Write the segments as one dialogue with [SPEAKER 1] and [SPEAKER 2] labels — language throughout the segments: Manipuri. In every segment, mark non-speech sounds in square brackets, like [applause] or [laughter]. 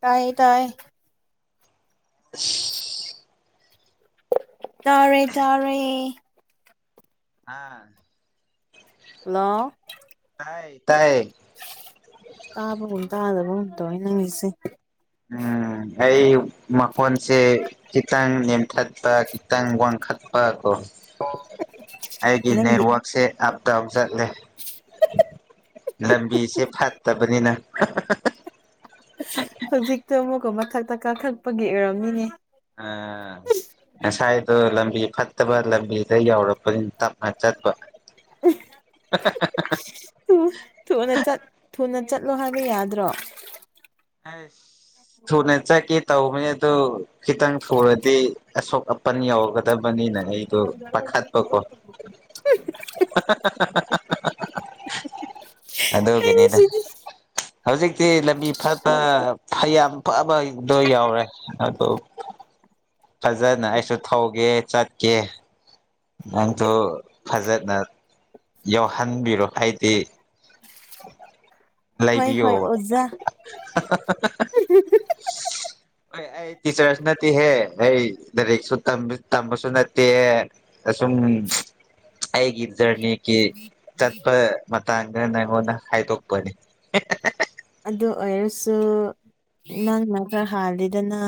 [SPEAKER 1] ꯇꯥꯏꯌꯦ ꯇꯥꯏ
[SPEAKER 2] [inaudible]
[SPEAKER 1] ꯇꯥꯔꯦ ꯇꯥꯔꯦ
[SPEAKER 2] ꯑꯥ
[SPEAKER 1] ꯍꯂꯣ
[SPEAKER 2] ꯇꯥꯏ ꯇꯥꯏ
[SPEAKER 1] ꯇꯥꯕꯒꯨꯝ ꯇꯥꯗꯕꯒꯨꯝ ꯇꯧꯣꯏ ꯅꯪꯉꯁꯦ
[SPEAKER 2] ꯎꯝ ꯑꯩ ꯃꯈꯣꯟꯁꯦ ꯈꯤꯇꯪ ꯅꯦꯝꯊꯠꯄ ꯈꯤꯇꯪ ꯋꯥꯡꯈꯠꯄ ꯀꯣ
[SPEAKER 1] ꯑꯣ
[SPEAKER 2] ꯑꯩꯒꯤ ꯅꯦꯠꯋꯥꯛꯁꯦ ꯑꯞ ꯇꯧ ꯆꯠꯂꯦ ꯂꯝꯕꯤꯁꯦ ꯐꯠꯇꯕꯅꯤꯅ
[SPEAKER 1] ꯍꯧꯖꯤꯛꯇꯣ ꯑꯃꯨꯛꯀ ꯃꯊꯛꯇ ꯀꯥꯈꯛꯄꯒꯤ ꯑꯣꯏꯔꯝꯃꯤꯅꯦ
[SPEAKER 2] ꯑ ꯉꯁꯥꯏꯗꯣ ꯂꯝꯕꯤ ꯐꯠꯇꯕ ꯂꯝꯕꯤꯗ ꯌꯧꯔꯔꯕ ꯇ ꯃꯆꯄ
[SPEAKER 1] ꯊꯨꯅ ꯆ ꯊꯨꯅ ꯆꯠꯂꯣ ꯍꯥꯏꯕ ꯌꯥꯗ꯭ꯔꯣ
[SPEAKER 2] ꯍ ꯁꯨꯅꯦ ꯆ ꯀ ꯇꯎ ꯃ ꯑꯗꯨ ꯈꯤꯇꯪ ꯊꯨꯔꯗꯤ ꯑꯁꯣꯛ ꯑꯄꯟ ꯌꯧꯒꯗꯕꯅꯤꯅ ꯑꯩꯗꯣ ꯄꯥꯈꯠꯄꯀꯣ [inaudible] ꯑꯗꯒꯦꯅꯤꯗ
[SPEAKER 1] ꯑꯩꯁꯤꯗꯤ
[SPEAKER 2] ꯍꯧꯖꯤꯛꯇꯤ ꯂꯝꯕꯤ ꯐ ꯌꯥꯝ ꯐꯕꯗꯣ ꯌꯥꯎꯔꯦ ꯑꯗꯨ ꯐꯖꯅ ꯑꯩꯁꯨ ꯊꯧꯒꯦ ꯆꯠꯀꯦ ꯅꯪꯁꯨ ꯐꯖꯅ ꯌꯥꯎꯍꯟꯕꯤꯔꯣ ꯍꯥꯏꯗꯤ
[SPEAKER 1] ꯍꯣꯏ ꯍꯣꯏ
[SPEAKER 2] ꯂꯩꯕꯤꯌꯣꯕ
[SPEAKER 1] ꯑꯣꯖꯥ
[SPEAKER 2] ꯑꯩ ꯇꯤꯆꯔꯁ ꯅꯠꯇ ꯍꯦ ꯑꯩ ꯂꯥꯏꯔꯤꯛꯁꯨ ꯇꯝꯕꯁꯨ ꯅꯠꯇꯦ ꯑꯁꯨꯝ ꯑꯩꯒꯤ ꯏꯖꯔꯅꯤ ꯀ ꯆꯠꯄ ꯃꯇꯥꯡꯗ ꯅꯪꯉꯣꯟꯗ ꯍꯥꯏꯗꯣꯛꯄꯅꯤ
[SPEAKER 1] ꯑꯗꯨ ꯑꯣꯏꯔꯁꯨ ꯅꯪꯅ ꯈꯔ ꯍꯥꯜꯂꯤꯗꯅ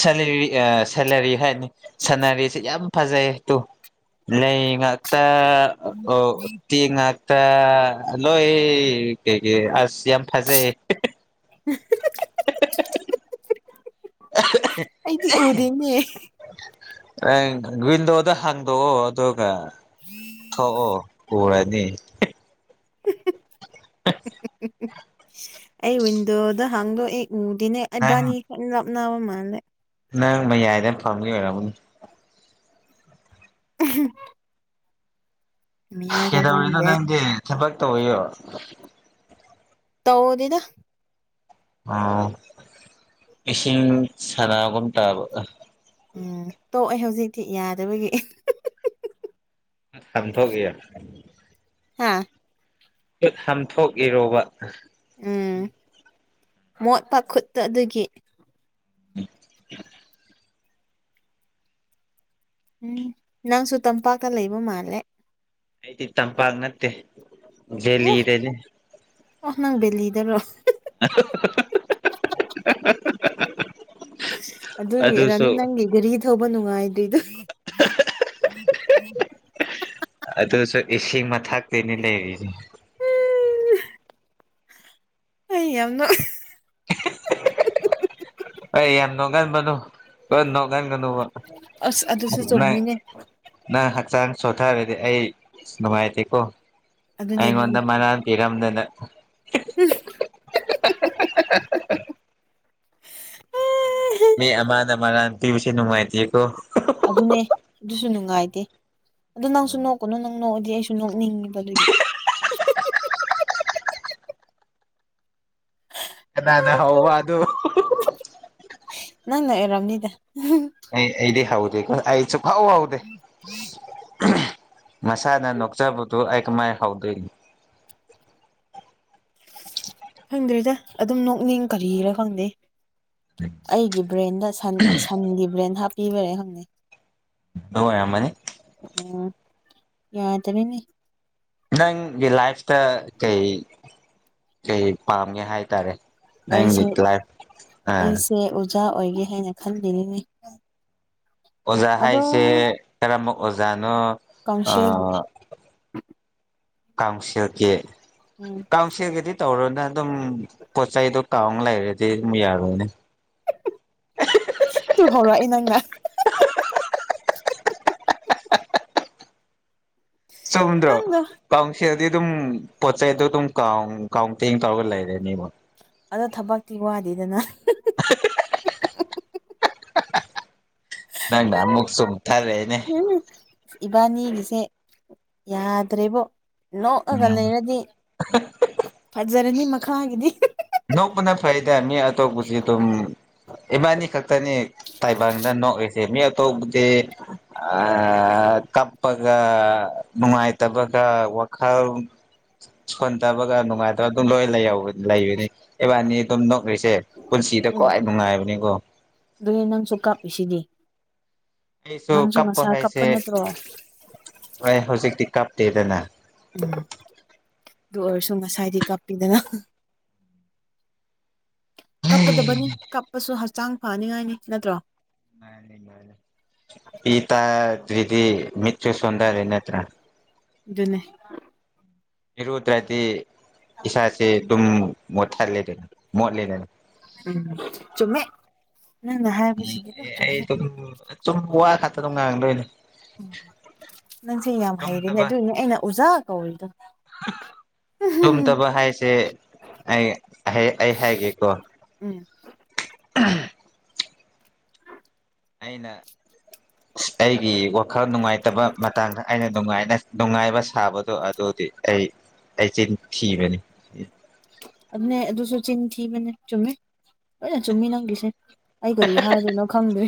[SPEAKER 2] ꯁꯂ ꯑ ꯁꯅꯔꯤ ꯍꯥꯏꯅꯤ ꯁꯅꯔꯤꯁꯤ ꯌꯥꯝ ꯐꯖꯩ ꯂꯩ ꯑꯣ ꯇꯤꯉꯥ ꯑ ꯂꯣꯏ ꯀ ꯑꯁ ꯌꯥꯝ ꯐꯖꯩ
[SPEAKER 1] ꯑꯍꯍ
[SPEAKER 2] ꯑꯍ
[SPEAKER 1] ꯑꯩꯗꯤ ꯎꯗꯦꯅꯦ
[SPEAKER 2] ꯑꯍ ꯑ ꯋꯤꯟꯗꯣꯗ ꯍꯥꯡꯗꯣꯛꯑꯣ ꯑꯗꯨꯒ ꯊꯣꯛꯑꯣ ꯎꯔ ꯎ
[SPEAKER 1] ꯍꯍ
[SPEAKER 2] [unintelligible]
[SPEAKER 1] ꯑꯩ ꯋꯤꯟꯗꯣꯗ ꯍꯥꯡꯗꯣꯛꯦ ꯎꯗꯤꯅꯦ
[SPEAKER 2] ꯅꯪ
[SPEAKER 1] ꯏꯕꯥꯅꯤ ꯈ ꯂꯥꯞꯅꯕ ꯃꯥꯜꯂꯦ
[SPEAKER 2] ꯅꯪ ꯃꯌꯥꯏꯗ ꯐꯝꯒ ꯑꯣꯏꯔꯕꯅꯦ
[SPEAKER 1] ꯑꯍꯤ
[SPEAKER 2] ꯀꯩꯗꯧꯔꯤꯅꯣ ꯅꯪꯗꯤ ꯊꯕꯛ ꯇꯧꯋꯤꯌꯣ
[SPEAKER 1] ꯇꯧꯗꯗ
[SPEAKER 2] ꯑ ꯏꯁꯤꯡ ꯁꯅꯥ ꯀꯣꯟ ꯇꯕ
[SPEAKER 1] ꯎꯝ ꯇꯣꯛꯑꯦ ꯍꯧꯖꯤꯛꯇꯤ ꯌꯥꯗꯕꯒꯤ
[SPEAKER 2] ꯁꯟꯊꯌꯥ
[SPEAKER 1] ꯍꯥꯥ
[SPEAKER 2] ꯈꯨꯠ ꯍꯥꯝꯊꯣꯛꯏꯔꯣꯕ
[SPEAKER 1] ꯎꯝ ꯃꯣꯠ ꯄ ꯈꯨꯠꯇ ꯑꯗꯨꯒꯤ
[SPEAKER 2] ꯎ
[SPEAKER 1] ꯎꯝ ꯅꯪꯁꯨ ꯇꯝꯄꯥꯛꯇ ꯂꯩꯕ ꯃꯥꯜꯂꯦ
[SPEAKER 2] ꯑꯥꯏꯗꯤ ꯇꯝꯄꯥꯛꯒꯤ ꯅꯠꯇꯦ ꯖꯦꯂꯤ
[SPEAKER 1] ꯑꯣ
[SPEAKER 2] ꯏꯗꯦꯅꯦ
[SPEAKER 1] ꯑꯣ ꯅꯪ ꯕꯜꯂꯤꯍꯤꯗꯔꯣ
[SPEAKER 2] ꯑꯍ ꯑꯍ ꯍꯍꯍꯍꯍꯍꯍꯍꯍ
[SPEAKER 1] ꯑꯗꯨꯒꯤ ꯔꯥꯅꯤ ꯅꯪꯒꯤ ꯒꯥꯔꯤ ꯊꯧꯕ ꯅꯨꯡꯉꯥꯏꯗ꯭ꯔꯤꯗꯣ ꯎꯝ ꯎꯝ
[SPEAKER 2] ꯑ ꯏꯁꯤꯡ ꯃꯊꯥꯛꯇꯩꯩꯅ ꯂꯩꯔꯤꯁꯦ
[SPEAKER 1] ꯎ ꯑꯩ ꯌꯥꯝꯅ
[SPEAKER 2] ꯑꯩ ꯌꯥꯝ ꯅꯅꯨꯡꯉꯥꯟꯕꯅꯣ
[SPEAKER 1] ꯑꯁ ꯑꯗꯨꯁꯨ ꯆꯨꯝꯃꯤꯅꯦ
[SPEAKER 2] [unintelligible] [unintelligible] [unintelligible] ꯍꯛꯆꯥꯡ ꯁꯣꯊꯔꯗꯤ ꯑꯩ ꯅꯨꯡꯉꯥꯏꯇꯦꯀꯣ
[SPEAKER 1] ꯑꯗꯨꯅꯦ
[SPEAKER 2] ꯑꯩꯉꯣꯟꯗ ꯃꯅ ꯏꯔꯝꯗꯅ
[SPEAKER 1] ꯎꯝ
[SPEAKER 2] ꯑꯍꯍꯍꯍꯍꯍ ꯃꯤ ꯑꯃꯥꯟ ꯑꯃꯅꯥꯟ ꯄꯤꯕꯁꯤ ꯅꯨꯡꯉꯥꯏꯇꯦꯀꯣ
[SPEAKER 1] ꯑꯗꯨꯅꯦ ꯑꯗꯨꯁꯨ ꯅꯨꯡꯉꯥꯏꯇꯦ ꯑꯗꯨ ꯅꯪꯁꯨ ꯅꯣꯛꯀꯅꯨ ꯅꯪ ꯅ ꯑꯩꯁꯨ ꯅꯣꯛꯅꯤꯡꯉꯤꯕ ꯑꯗꯨꯒꯤ
[SPEAKER 2] ꯅꯥꯅꯦ ꯍ ꯋꯥ ꯑꯗꯨ
[SPEAKER 1] ꯑꯦꯔꯝꯅꯤꯗ
[SPEAKER 2] ꯍꯩ ꯑꯩꯗꯤ ꯍꯧꯎꯗꯦꯀꯣ ꯁꯨꯀꯍꯧ ꯍꯧꯗꯦ ꯃꯁꯥꯅ ꯅꯣꯛꯆꯕꯗꯨ ꯑꯩ ꯀꯃꯥꯏ ꯍꯧꯗꯣꯏꯅꯤ
[SPEAKER 1] ꯈꯪꯗ꯭ꯔꯔꯤꯗ ꯑꯗꯨꯝ ꯅꯣꯛꯅꯤꯡ ꯀꯔꯤꯔꯥ ꯈꯪꯗꯦ ꯑꯩꯒꯤ ꯕ꯭ꯔꯦꯟꯗ ꯁꯟꯒꯤ ꯕ꯭ꯔꯦꯟ ꯍꯥꯞꯄꯤꯕꯔꯦ ꯍꯪꯅꯩ
[SPEAKER 2] ꯑꯗꯨ ꯑꯣꯏꯔꯝꯃꯅꯤ
[SPEAKER 1] ꯎꯝ ꯌꯥꯗꯔꯦꯅꯦ
[SPEAKER 2] ꯅꯪꯒꯤ ꯂꯥꯏꯐꯇ ꯀꯩ ꯀꯩ ꯄꯥꯝꯒꯦ ꯍꯥꯏꯇꯥꯔꯦ ꯅꯪꯒꯤ ꯀꯂꯥꯏ ꯑꯥ
[SPEAKER 1] ꯃꯆꯥ ꯑꯣꯏꯒꯦ ꯍꯥꯏꯅ ꯈꯟꯂꯤꯅꯤꯅꯦ
[SPEAKER 2] ꯑꯣꯖꯥ ꯍꯥꯏꯁꯦ ꯀꯔꯝꯕ ꯑꯣꯖꯥꯅꯣ
[SPEAKER 1] ꯀꯥꯎꯟꯁꯤꯜ
[SPEAKER 2] ꯀꯥꯡꯁꯦꯜꯒꯤ
[SPEAKER 1] ꯎꯝ
[SPEAKER 2] ꯀꯥꯡꯁꯦꯜꯒꯤꯗꯤ ꯇꯧꯔꯨꯅ ꯑꯗꯨꯝ ꯄꯣꯠ ꯆꯩꯗꯣ ꯇꯥꯎ ꯂ ꯂꯩꯔꯗꯤ ꯑꯃꯨꯛ ꯌꯥꯔꯣꯏꯅꯦ
[SPEAKER 1] ꯇꯨ ꯍꯧꯔꯛ ꯑꯦ ꯅꯪꯅ [inaudible]
[SPEAKER 2] ꯁꯃꯨꯗ꯭ꯔ
[SPEAKER 1] ꯅꯪꯅ
[SPEAKER 2] ꯄꯥꯡꯁꯤ ꯑꯗꯨꯝ ꯄꯣꯠ ꯆꯩꯩꯗꯣ ꯑꯗꯨꯝꯥꯎ ꯀꯥꯎ ꯇꯦꯡ ꯇꯧꯔꯒ ꯂꯩꯔꯦꯅꯦꯕ
[SPEAKER 1] ꯑꯗꯣ ꯊꯕꯛꯇꯤ ꯋꯥꯗꯦꯗꯅ
[SPEAKER 2] [unintelligible] ꯅꯪꯅ ꯑꯃꯃꯨꯛ ꯁꯨꯨꯝ ꯊꯔ ꯔꯦꯅꯦ
[SPEAKER 1] ꯏꯕꯥꯅꯤꯒꯤꯁꯦ ꯌꯥꯗ꯭ꯔꯦꯕꯣ ꯅꯣꯛꯑꯒ
[SPEAKER 2] ꯎꯝ
[SPEAKER 1] ꯂꯩꯔꯗꯤ ꯐꯖꯔꯅꯤ ꯃꯈꯥꯒꯤꯗꯤ
[SPEAKER 2] ꯅꯧꯕꯅ ꯐꯩꯗ ꯃꯤ ꯑꯇꯣꯞꯄꯁꯤ ꯑꯗꯨꯝ ꯏꯕꯥꯥꯅꯤ ꯈꯛꯇꯅꯤ ꯇꯥꯏꯕꯪꯅ ꯅꯣꯛꯏꯁꯦ ꯃꯤ ꯑꯇꯣꯞꯄꯗꯤ ꯑꯥꯥ ꯀꯞꯄꯒ ꯅꯨꯡꯉꯥꯏꯇꯕꯒ ꯋꯥꯈꯜ ꯁꯣꯟ ꯇꯕꯒ ꯅꯨꯡꯉꯥꯏꯇꯕ ꯑꯗꯨꯝ ꯂꯣꯏ ꯂꯩꯕꯅꯤ ꯏꯕꯥꯅꯤ ꯑꯗꯨꯝ ꯅꯣꯛꯈꯔꯤꯁꯦ ꯄꯨꯟꯁꯤꯗ ꯈ꯭ꯋꯥꯏ ꯅꯨꯡꯉꯥꯏꯕꯅꯤꯀꯣ
[SPEAKER 1] ꯑꯗꯨꯅꯦꯟ ꯅꯪꯁꯨ ꯀꯞꯄꯤꯁꯤꯗꯤ
[SPEAKER 2] ꯑꯩꯁꯨ ꯀꯞꯄ ꯍꯥꯏꯁꯦ ꯍꯣꯏ ꯍꯧꯖꯤꯛꯇꯤ ꯀꯞꯇꯦꯗꯅ
[SPEAKER 1] ꯎꯝ ꯑꯗꯨ ꯑꯣꯏꯔꯁꯨ ꯉꯁꯥꯏꯗꯤ ꯀꯥꯞꯄꯤꯗꯅ ꯀꯞꯀꯗꯕꯅꯤ ꯀꯞꯄꯁꯨ ꯍꯛꯆꯥꯡ ꯐꯅꯤꯡꯉꯥꯏꯅꯤ ꯅꯠꯇ꯭ꯔꯣ
[SPEAKER 2] ꯏꯇꯥ ꯑꯗꯨꯏꯗꯤ ꯃꯤꯠꯁꯦ ꯁꯣꯟꯗꯔꯦ ꯅꯠꯇ꯭ꯔꯥ
[SPEAKER 1] ꯑꯗꯨꯅꯦ
[SPEAKER 2] ꯏꯔꯨꯗ꯭ꯔꯗꯤ ꯏꯁꯥꯁꯦ ꯑꯗꯨꯝ ꯃꯣꯠꯊꯜꯂꯦꯗꯅ ꯃꯣꯠꯂꯦꯗꯅ
[SPEAKER 1] ꯎꯝ ꯆꯨꯝꯃꯦ ꯅꯪꯅ ꯍꯥꯏꯕꯁꯤꯗꯤ ꯑꯗꯨꯝ ꯆꯨꯝꯃꯦ
[SPEAKER 2] ꯑꯩ ꯑꯗꯨꯝ ꯋꯥ ꯈꯥ ꯇꯗꯣ ꯉꯥꯡꯂꯣꯏꯅꯦ
[SPEAKER 1] ꯅꯪꯁꯦ ꯌꯥꯝ ꯍꯩꯔꯦꯅꯦ ꯑꯗꯨꯏꯅꯦ ꯑꯩꯅ ꯑꯣꯖꯥ ꯀꯧꯔꯤꯗꯣ ꯎꯝ
[SPEAKER 2] ꯇꯨꯝꯗꯕ ꯍꯥꯏꯁꯦ ꯑꯩ ꯑꯩ ꯍꯥꯏꯒꯦꯀꯣ ꯑꯩꯅ ꯑꯩꯒꯤ ꯋꯥꯈꯜ ꯅꯨꯡꯉꯥꯏꯇꯕ ꯃꯇꯥꯡꯗ ꯑꯩꯅ ꯅꯨꯡꯉꯥꯏꯅ ꯅꯨꯡꯉꯥꯏꯕ ꯁꯥꯕꯗꯣ ꯑꯗꯨꯗꯤ ꯑꯩ ꯑꯩꯆꯤꯟ ꯊꯤꯕꯅꯤ
[SPEAKER 1] ꯑꯗꯨꯅꯦ ꯑꯗꯨꯁꯨ ꯆꯤꯟ ꯊꯤꯕꯅꯦ ꯆꯨꯝꯃꯤ ꯂꯣꯏꯅ ꯆꯨꯝꯃꯤ ꯅꯪꯒꯤꯁꯦ ꯑꯩ ꯀꯔꯤ ꯍꯥꯏꯗꯣꯏꯅꯣ ꯈꯪꯗ꯭ꯔꯦ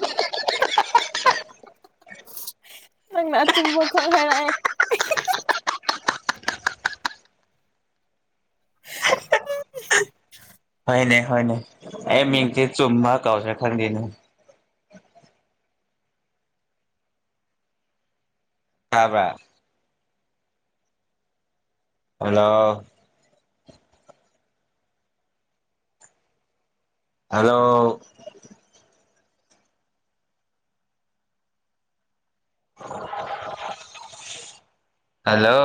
[SPEAKER 2] [unintelligible]
[SPEAKER 1] ꯅꯪꯅ ꯑꯆꯨꯝꯕ ꯈꯛ ꯍꯥꯏꯔꯛꯑꯦ
[SPEAKER 2] ꯍꯣꯏꯅꯦ ꯍꯣꯏꯅꯦ ꯑꯩ ꯃꯤꯡꯁꯤ ꯆꯨꯝꯕ ꯀꯧꯁꯤꯔ ꯈꯪꯗꯦꯅꯦ ꯇꯕ꯭ꯔꯥ hello hello hello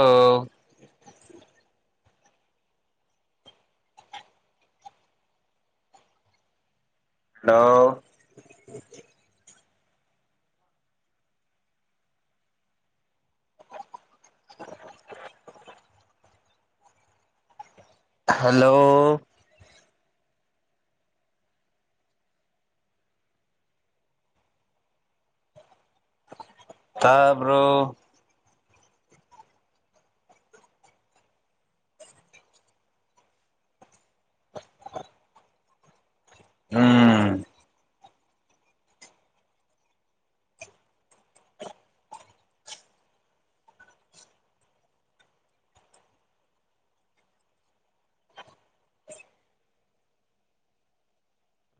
[SPEAKER 2] hello [inaudible] [unintelligible] hello ꯇꯥꯕ꯭ꯔꯣ ꯎꯝ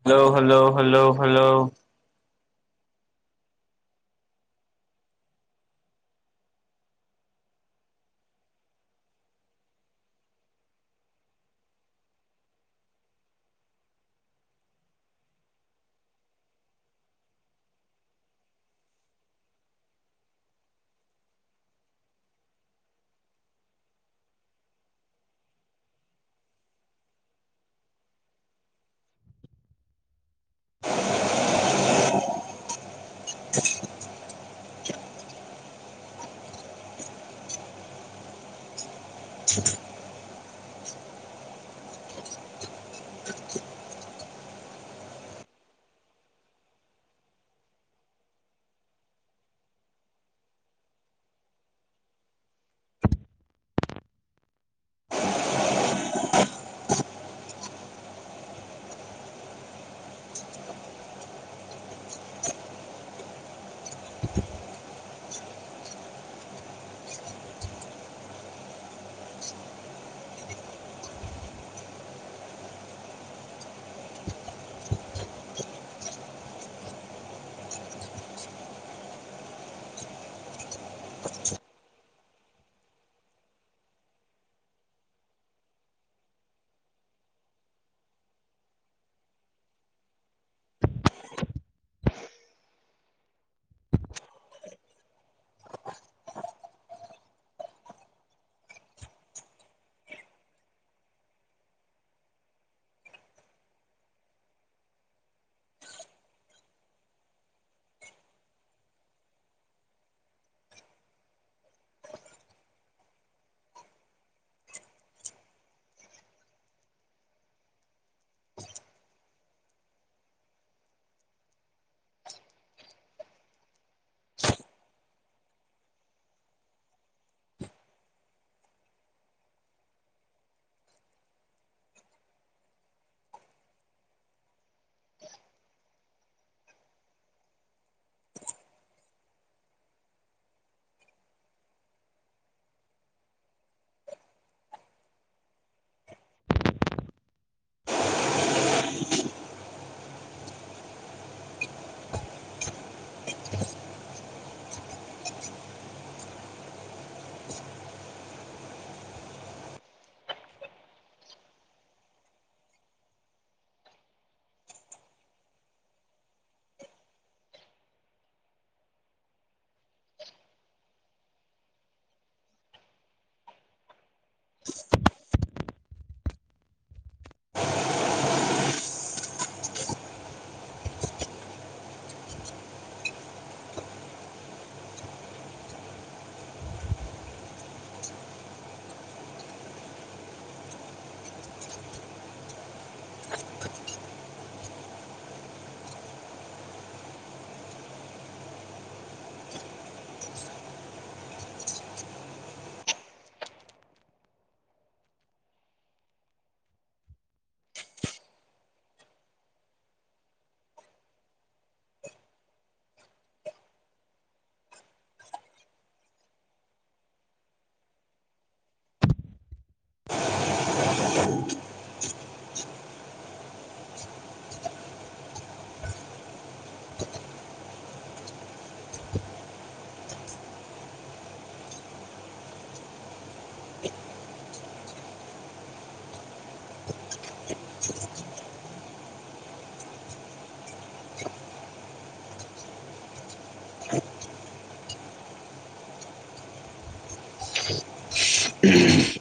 [SPEAKER 2] ꯍꯜꯂꯣ ꯍꯜꯂꯣ ꯍꯜꯂꯣ ꯍꯜꯂꯣ [inaudible] ꯎꯝ